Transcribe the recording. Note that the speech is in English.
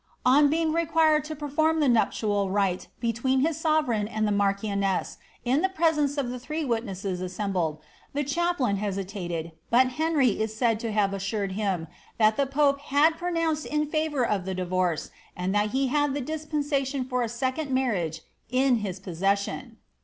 On being required to perform the nuptial rite between his torereign and the marchioness, in the presence of the three witnesses assembled, the chaplain hesitated, but Henry is said to have assured him that the pope had pionounced in favour of the divorce, and that he had the dispensation for a second marriage in his possession.